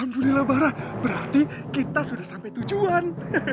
berarti kita sudah sampai tujuan